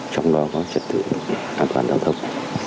trong đó có trật tự an toàn giao thông